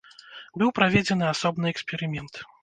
Быў праведзены асобны эксперымент.